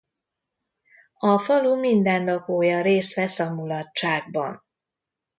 A falu minden lakója részt vesz a mulatságban.